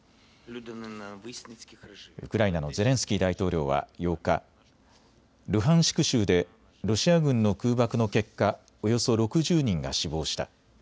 ウクライナのゼレンスキー大統領は８日、ルハンシク州でロシア軍の空爆の結果、およそ６０人が死亡した。